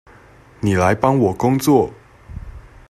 妳來幫我工作